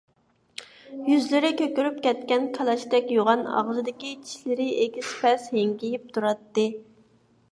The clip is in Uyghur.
يۈزلىرى كۆكىرىپ كەتكەن، كالاچتەك يوغان ئاغزىدىكى چىشلىرى ئېگىز - پەس ھىڭگىيىپ تۇراتتى.